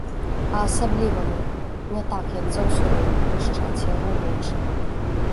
Па-асабліваму, не так як заўсёды, блішчаць яго вочы.